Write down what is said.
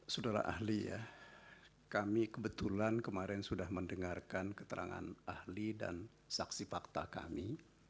saudara ahli ya kami kebetulan kemarin sudah mendengarkan keterangan ahli dan saksi fakta kami